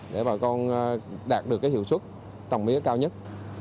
để bà con đạt được hiệu suất